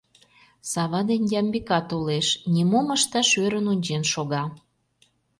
Сава дене Ямбика толеш, нимом ышташ ӧрын ончен шога.